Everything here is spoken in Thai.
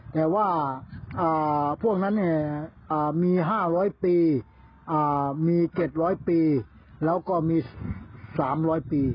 แต่ว่าพวกนั้นเนี่ยมี๕๐๐ปีมี๗๐๐ปี